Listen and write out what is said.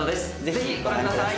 ぜひご覧ください。